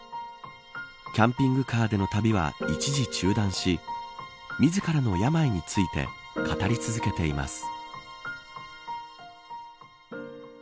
キャンピングカーでの旅は一時中断し自らの病について語り続けています。